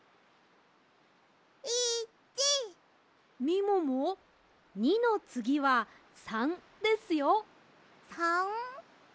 みもも２のつぎは３ですよ。